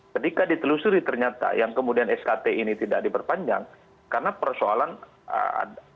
ketika ditelusuri ternyata yang kemudian skt ini tidak diperpanjang karena persoalan anggaran tangga fpi itu tidak berlaku